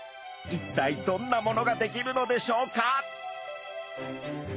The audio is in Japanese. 一体どんなものが出来るのでしょうか？